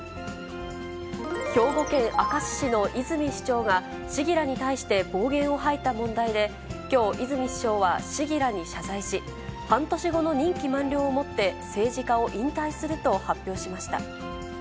兵庫県明石市の泉市長が、市議らに対して暴言を吐いた問題で、きょう泉市長は、市議らに謝罪し、半年後の任期満了をもって、政治家を引退すると発表しました。